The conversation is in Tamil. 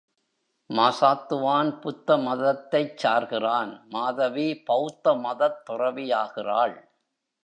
மாசாத்துவான் புத்த மதத்தைச் சார்கிறான் மாதவி பெளத்த மதத் துறவியாகி றாள்.